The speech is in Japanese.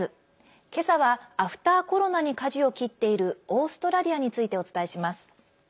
けさは、アフターコロナにかじを切っているオーストラリアについてお伝えします。